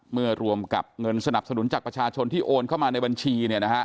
รวมกับเงินสนับสนุนจากประชาชนที่โอนเข้ามาในบัญชี